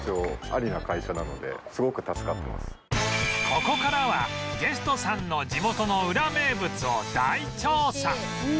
ここからはゲストさんの地元のウラ名物を大調査